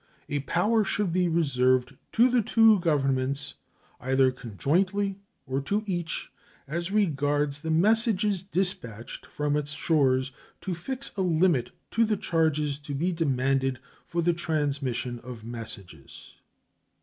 A power should be reserved to the two governments, either conjointly or to each, as regards the messages dispatched from its shores, to fix a limit to the charges to be demanded for the transmission of messages.